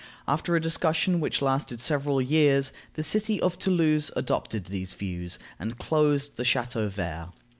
After a discussion which lasted several years, the city of Toulouse adopted these views, and closed the Chateau vert.